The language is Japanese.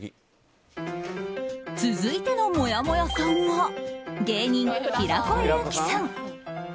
続いてのもやもやさんは芸人・平子祐希さん。